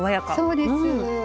そうです。